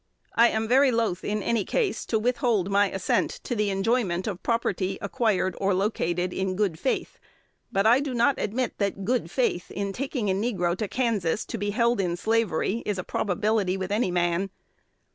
I am very loath, in any case, to withhold my assent to the enjoyment of property acquired or located in good faith; but I do not admit that good faith in taking a negro to Kansas to be held in slavery is a probability with any man.